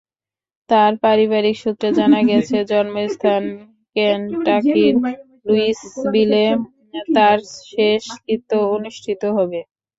তাঁর পারিবারিক সূত্রে জানা গেছে, জন্মস্থান কেনটাকির লুইসভিলে তাঁর শেষকৃত্য অনুষ্ঠিত হবে।